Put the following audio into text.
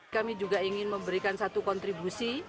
kami juga ingin memberikan satu kontribusi